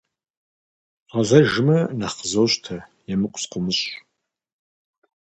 Згъэзэжмэ, нэхъ къызощтэ, емыкӀу сыкъыумыщӀ.